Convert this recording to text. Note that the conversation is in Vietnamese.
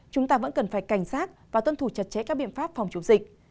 chúng ta vẫn cần phải cảnh sát và tuân thủ chặt chẽ các biện pháp phòng chống dịch